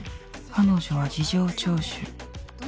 彼女は事情聴取